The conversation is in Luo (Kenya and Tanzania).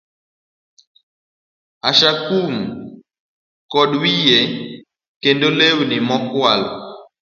Ashakum ok kuod wiye, kendo lewni mokwal